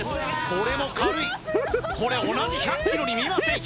これも軽いこれ同じ１００ｋｇに見えません